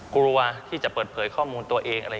เกลาที่จะเปิดเผยข้อมูลตัวเอง